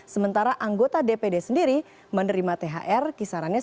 sementara cowok dpd menerima thr sebesar rp empat belas empat puluh delapan juta